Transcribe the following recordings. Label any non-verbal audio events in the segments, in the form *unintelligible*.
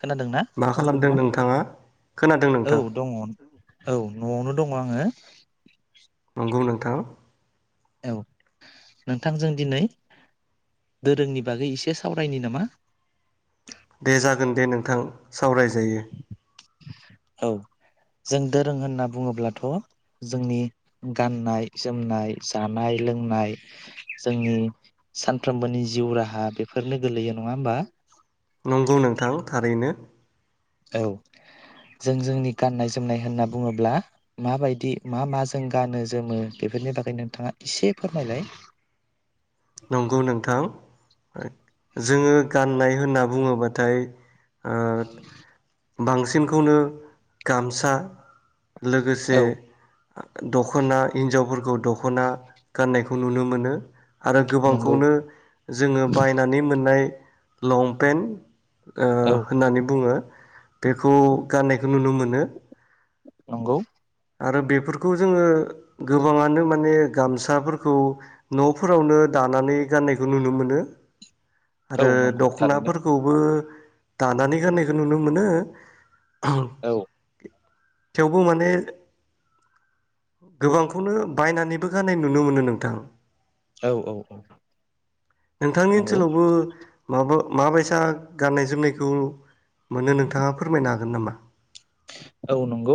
खोनादोंना मा खालामदों नोंथाङा खोनादों औ नोंथां दङ औ न'आवनो दङ आङो नंगौ नोंथां औ नोंथांजों दिनै दोरोंनि बागै एसे सावरायनि नामा दे जागोन दे नोंथां सावरायजायो औ जों दोरों होनना बुङोब्लाथ' जोंनि गाननाय जोमनाय जानाय लोंनाय जोंनि सानफ्रोमबोनि जिउ राहा बेफोरनो गोलैयो नङा होमबा नंगौ नोंथां थारैनो औ जों जोंनि गाननाय जोमनाय होनना बुङोब्ला माबायदि मा मा जों गानो जोमो बेफोरनि बागै नोंथाङा एसे फोरमायलाय नंगौ नोंथां जोङो गाननाय होनना बुङोबाथाय ओ बांसिनखौनो गामसा लोगोसे औ दख'ना हिन्जावफोरखौ दख'ना गाननायखौ नुनो मोनो आरो नंगौ गोबांखौनो जोङो बायनानै मोननाय लंपेन्ट ओ औ होननानै बुङो बेखौ गाननायखौ नुनो मोनो नंगौ आरो बेफोरखौ जोङो गोबांङानो माने गामसाफोरखौ न'फोरावनो दानानै गाननायखौ नुनो मोनो औ आरो नंगौ थारैनो दख'नाफोरखौबो दानानै गाननायखौ नुनो मोनो *unintelligible* औ थेवबो माने गोबांखौनो बायनानैबो गाननाय नुनो मोनो नोंथां औ औ नोंथांनि नंगौ ओनसोलावबो माबा माबायसा गाननाय जोमनायखौ मोनो नोंथाङा फोरमायनो हागोन नामा औ नंगौ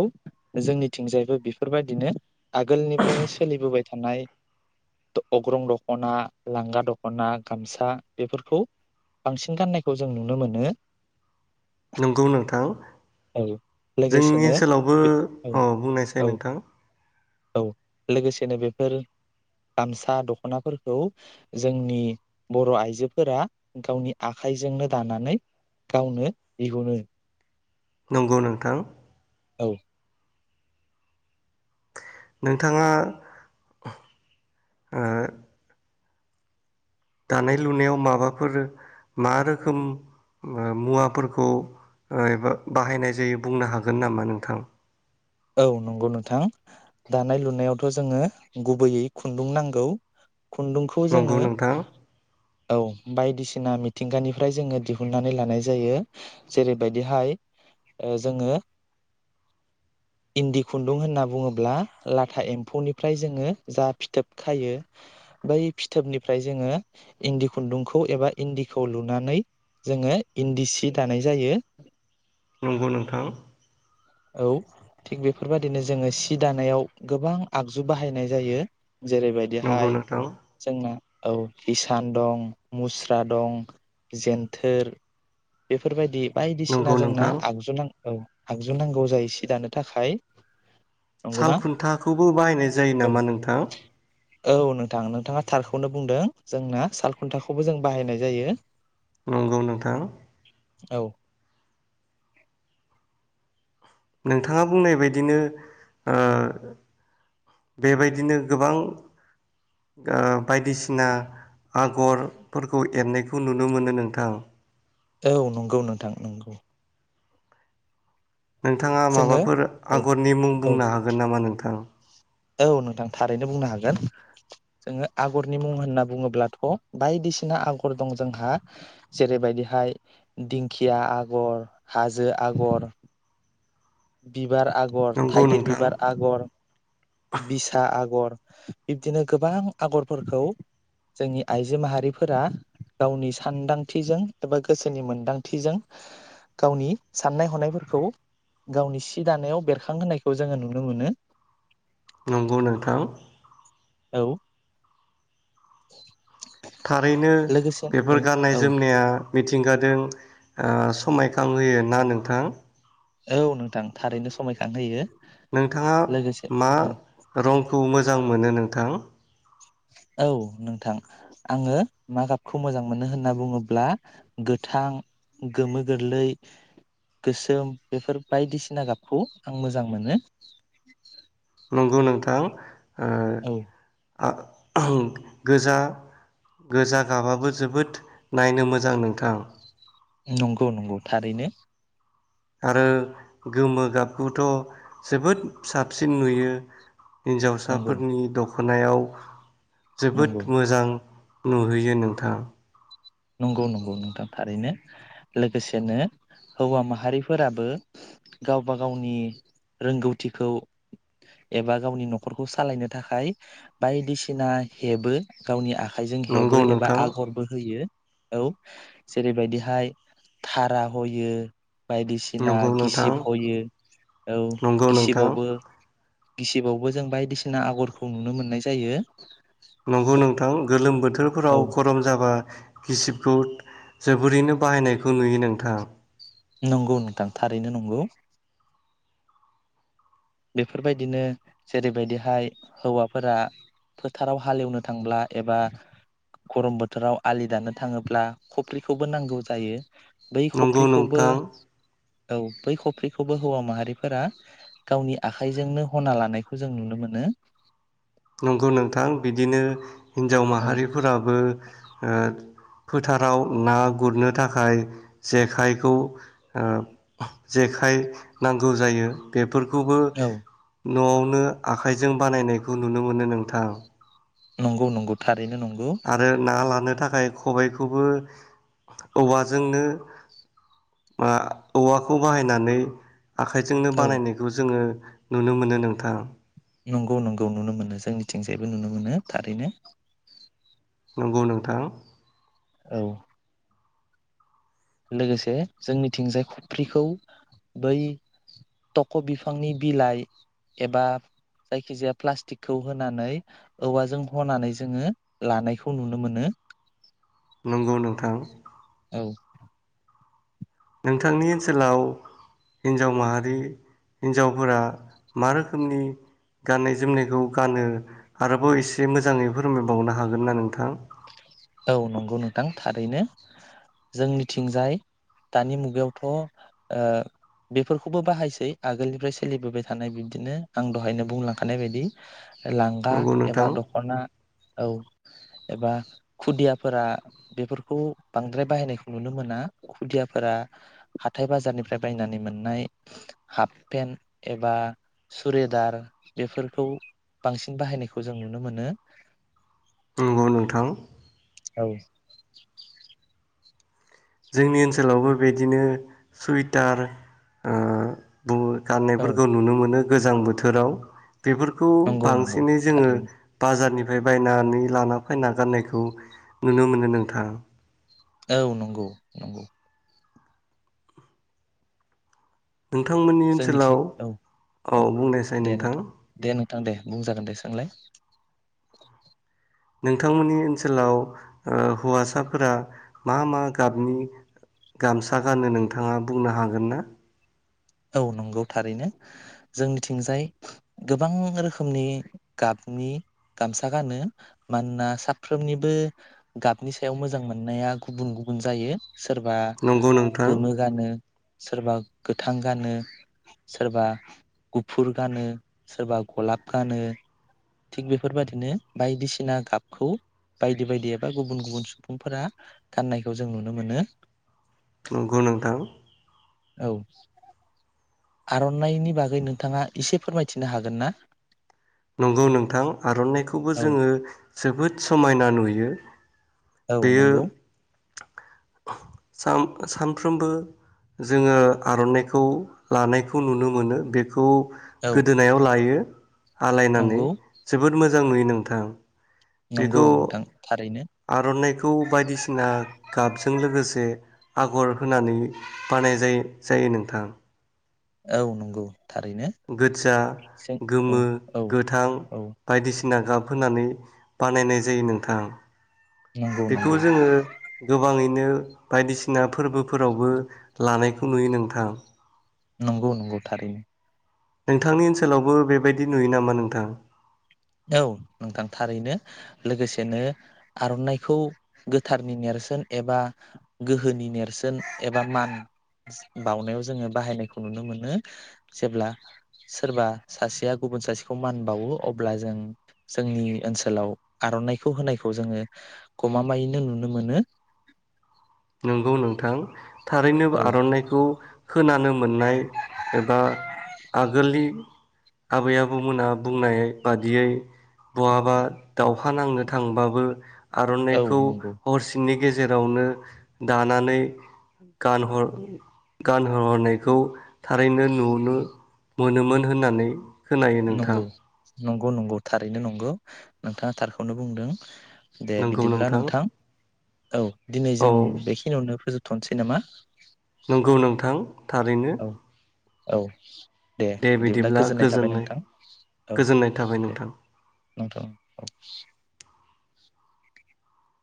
जोंनिथिंजायबो बेफोरबायदिनो आगोलनिफ्रायनो सोलिबोबाय थानाय अग्रंन दख'ना लांगा दख'ना गामसा बेफोरखौ बांसिन गाननायखौ जों नुनो मोनो नंगौ नोंथां औ जोंनि लोगोसेनो ओनसोलावबो बे- औ औ बुंनायसै नोंथां औ लोगोसेनो बेफोर गामसा दखनाफोरखौ जोंनि बर' आइजोफोरा गावनि आखाइजोंनो दानानै गावनो दिहुनो नंगौ नोंथां औ नोंथाङा दानाय लुनायाव माबाफोर मा रोखोम मुवाफोरखौ एबा बाहायनाय जायो बुंनो हागोन नामा नोंथां औ नंगौ नोंथां दानाय लुनायावथ' जोङो गुबैयै खुन्दुं नांगौ खुन्दुंखौ नंगौ जोङो नोंथां औ बायदिसिना मिथिंगानिफ्राय जोङो दिहुननानै लानाय जायो जेरैबायदिहाय जोङो इन्दि खुन्दुं होनना बुङोब्ला लाथा एम्फौनिफ्राय जोङो जा फिथोब खायो बै फिथोबनिफ्राय जोङो इन्दि खुन्दुंखौ एबा इन्दिखौ लुनानै जोङो इन्दि सि दानाय जायो नंगौ नोंथां औ थिग बेफोरबायदिनो जोङो सि दानायाव गोबां आगजु बाहायनाय जायो नंगौ जेरैबायदिहाय नोंथां जोंना औ इसान दं मुस्रा दं जेनथोर बेफोरबायदि नंगौ बायदिसिना जोंना नोंथां आगजुुनां औ आगजु नांगौ जायो सि दानो थाखाय नंगौना सालखुन्थाखौबो बाहायनाय जायो औ नामा नोंथां? औ नोंथां नोंथाङा थारखौनो बुंदों जोंना सालखुन्थाखौबो जों बाहायनाय जायो नंगौ नोंथां औ नोंथाङा बुंनाय बदिनो बेबायदिनो गोबां बायदिसिना आगरफोरखौ एरनायखौ नुनो मोनो नोंथां औ नंगौ नोंथां नंगौ नोंथाङा जोङो माबाफोर औ आगरनि मुं औ बुंनो हागोन नामा नोंथां औ नोंथां थारैनो बुंनो हागोन जोङो आगरनि मुं होनना बुङोब्लाथ' बायदिसिना आगर दं जोंहा जेरैबायदिहाय दिंखिया आगर हाजो आगर बि बिबार आगर नंगौ थाइगिर नोंथां बिबार आगर बिसा आगर बिब्दिनो गोबां आगरफोरखौ जोंनि आइजो माहारिफोरा गावनि सानदांथिजों एबा गोसोनि मोनदांथिजों गावनि साननाय हनायफोरखौ गावनि सि दानायाव बेरखां होनायखौ जोङो नुनो मोनो नंगौ नोंथां औ थारैनो लोगोसे औ बेफोर गाननाय औ जोमनाया मिथिंगादों समायखांहोयो ना नोंथां औ नोंथां थारैनो समायखां होयो नोंथाङा मा रंखौ मोजां मोनो नोंथ बथां औ नोंथां आङो मा गाबखौ मोजां मोनो होनना बुङोब्ला गोथां गोमो गोरलै गोसोम बेफोर बायदिसिना गाबखौ आं मोजां मोनो नोंगौ नोंथां औ गोजा गोजा गाबाबो जोबोद नायनो मोजां नोंथां नंगौ-नंगौ थारैनो आरो गोमो गाबखौथ' जोबोद साबसिन नुयो नंगौ हिनजावसाफोरनि दख खनायाव नंगौ जोबोद मोजां नुहैयो नोंथां नंगौ-नंगौ नोंथां थारैनो लोगोसेनो हौवा माहारिफोराबो गावबा गावनि रोंगौथिखौ एबा गावनि न'खरखौ सालायनो थाखाय बायदिसिना हेबो गावनि आ आखाइजों हेबो नंगौ एबा नोंथां आगरबो होयो औ जेरैबायदिहाय धारा होयो बायदिसिना नंगौ नोंथां गिसिब हयो औ नंगौ नोंथां गिसिबावबो गिसिबावबो जों बायदिसिना आगरखौ नुनो मोननाय जायो नंगौ नोंथां गोलोम बोथ औ बोथोरफोराव गरम जाबा गिसिबखौ जोबोरैनो बाहायनायखौ नुयो नोंथां नंगौ नोंथां थारैनो नंगौ बेफोरबायदिनो जेरैबायदिहाय हौवाफोरा फोथाराव हालेवनो थांब्ला एबा गरम बोथोराव आलि दानो थाङोब्ला खफ्रिखौबो नांगौ जायो बै नंगौ खफ्रिखौबो नोंथां औ बै खफ्रिखौबो हौवा माहारिफोरा गावनि आखाइजोंनो हना लानायखौ जों नुनो मोनो नंगौ नोंथां बिदिनो हिनजाव औ माहारिफोराबो ओ फोथाराव ना गुरनो थाखाय जेखाइखौ ओ जेखाइ नांगौ जायो बेफोर खौबो औ न'आवनो आखाइजों बानायनाय खौ नुनो मोनो नोंथां नंगौ-नंगौ थार आरो ना लानो थाखाय खबाइखौबो औवाजोंनो औवाखौ बाहायनानै आखाइजोंनो औ बानायनायखौ जोङो नुनो मोनो नोंथां नंगौ-नंगौ नुनो मोनो जोंनिथिंजायबो नुनो मोनो थारैनो नंगौ नोंथां औ लोगोसे जोंनिथिंजाय खफ्रिखौ बै थख' बिफांनि बिलाइ एबा जायखिजाया प्लास्टिकखौ होनानै औवाजों हनानै जोङो लानायखौ नुनो मोनो नंगौ नोंथां औ नोंथांनि ओनसोलाव हिन्जाव माहारि हिन्जावफोरा मा रोखोमनि गाननाय जोमनायखौ गानो आरोबाव एसे मोजाङै फोरमायबावनो हागोनना नोंथां औ नंगौ नोंथां थारैनो। जोंनि थिंजाय दानि मुगायावथ' ओ बेफोरखौबो बाहायसै आगोलनिफ्राय सोलिबोबाय थानाय बिब्दिनो आं दहायनो बुंलांखानाय बायदि लांगा नंगौ एबा नोंथां दख'ना औ एबा खुदियाफोरा बेफोरखौ बांद्राय बाहायनायखौ नुनो मोना खुदियाफोरा हाथाय बाजारनिफ्राय बायनानै मोननाय हाफ पेन्ट एबा सुरेदार बेफोरखौ बांसिन बाहायनायखौ जों नुनो मोनो। नंगौ नोंथां। औ जोंनि ओनसोलावबो बिदिनो सुइटार ओ बहुथ औ गाननायफोरखौ नुनो मोनो गोजांबो बोथोराव। बेफोरखौ नंगौ नंगौ बांसिनै जोंङो थारैनो बाजारनि बे बायनानै लाना फैना गाननायखौ नुनो मोनो नोंथां। औ नंगौ नंगौ नोंथांमोननि ओनसोलाव औ बुंनायसै नोंथां थां दे बुंजागोन दे सोंलाय नोंथांमोननि ओनसोलाव ओ हौवासाफोरा मा मा गाबनि गामसा गानो नोंथांङा बुंनो हागोन ना? औ नंगौ थारैनो जोंनिथिंजाय गोबां रोखोमनि गाबनि गामसा गानो मानोना साफ्रोमनिबो गाबनि सायाव मोजां मोननाया गुबुन गुबुन जायो। सोरबा नंगौ नोंथां गोमो गानो। सोरबा गोथां गोथां गानो सोरबा गुफुर गानो सोरबा गलाब गानोव थिग बेफोरबादिनो बायदिसिना गाबखौ बायदि बायदि एबा गुबुन गुबुन सुबुंफोरा गाननायखौ जों नुनो मोनो। नंगौ नोंथां। औ आरनाइनि बागै नोंथाङा एसे फोरमायथिनो हागोन ना? नंगौ नोंथां आरनाइखौबो औ जोङो जोबोद समायना नुयो। औ नंगौ। सान सानफ्रोमबो जोङो आरनाइखौ लानायखौ नुनो मोनो बेखौ औ गोदोनायाव लायो। आलायनानै नंगौ जोबोद मोजां मोजां नुयो नोंथां। नंगौ बेखौ नोंथां थारैनो आरनाइखौ बायदिसिना गाबजों जों लोगोसे आगर होनानै बानाय जायो जायो नोंथां। औ नंगौ। थारैनो गोजा जों गोमो औ औ गोथां औ बायदिसिना ना गाब होनानै बानायनाय जायो नोंथां। नंगौ बेखौ नंगौ जोङो गोबाङैनो बायदिसिना फोरबोफोरावबो लानायखौ नुयो नोंथां। नंगौ नंगौ थारैनो। नोंथांनि ओनसोलावबो बेबायदि नुयो नामा नोंथां? औ नोंथां थारैनो लोगोसेनो आरनाइखौ गोथारनि नेरसोन एबा गोहोनि नेरसोन एबा मान बावनायाव जोङो बाहायनायखौ नुनो मोनो जेब्ला सोरबा सासेया गुबुन सासेखौ मान बावो अ अब्ला जों जोंनि ओनसोलाव आरनाइखौ होनायखौ जोङो गमामायैनो नुनो मोनो। नंगौ नोंथां। थारैनोब औ आर'नाइखौ खोनानो मोननाय एबा आगोलनि आबै आबौमोनहा बुंनाय बादियै बहाबा दावहा नांनो थांबाबो औ आर'नाइखौ नंगौ हरसिनि गेजेरावनो दानानै गानहर गानहरनायखौ थारैनो नुनो मोनोमोन होननानै खोनायो नोंथां नंगौ । नंगौ नंगौ थारैनो नंगौ नोंथाङा थारखौनो बुंदों। दे बिदिब्ला नोंथां औ दिनै औ जों बेखिनियावनो फोजोब थनोसै नामा? नंगौ नोंथां। थारैनो। औ औ। दे बिदिब्ला गोजोननाय थाबाय नोंथां औ गोजोननाय थाबाय दे। नोंथां। नोंथ'।